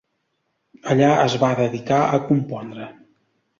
Allà es va dedicar a compondre.